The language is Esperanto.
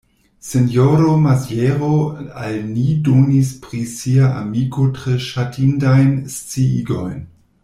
Sinjoro Maziero al ni donis pri sia amiko tre ŝatindajn sciigojn.